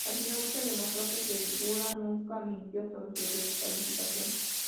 Al final se demostró que Segura nunca mintió sobre su descalificación.